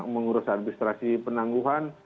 mengurus administrasi penangguhan